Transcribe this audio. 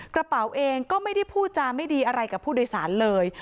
กระเป๋าเองก็ไม่ได้พูดจาไม่ดีอะไรกับผู้โดยสารเลย